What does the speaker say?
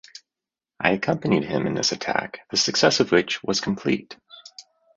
I accompanied him in this attack, the success of which was complete.